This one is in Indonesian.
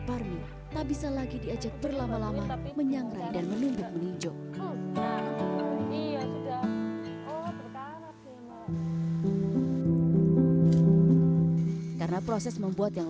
parmi tak bisa lagi diajak berlama lama menyangkai dan menuntut meninjau karena proses membuat yang